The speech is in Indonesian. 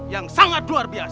yang sangat berhutang dengan kita